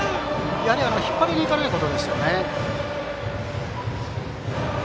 やはり引っ張りに行かないことですよね。